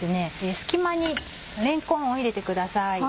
隙間にれんこんを入れてください。